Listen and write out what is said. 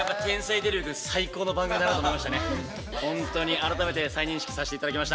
あらためて再認識させていただきました。